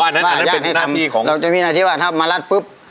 อันนั้นเป็นน่าที่ของเราจะมีหน้าที่ว่าถ้ามรรดิพุธ